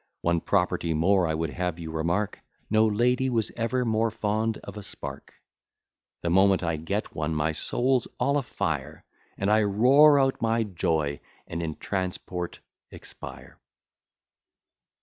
One property more I would have you remark, No lady was ever more fond of a spark; The moment I get one, my soul's all a fire, And I roar out my joy, and in transport expire.